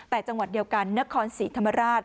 แต่จังหวัดเดียวกันนครศรีธรรมราช